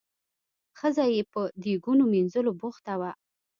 ښځه یې په دیګونو مینځلو بوخته وه.